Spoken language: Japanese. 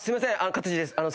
勝地です。